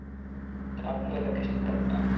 তোমার প্রিয় ভ্যাকেশন কোনটা?